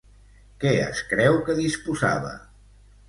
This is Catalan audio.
Què es creu que disposava?